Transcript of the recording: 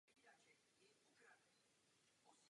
Jeho první velká cesta vedla do Bulharska.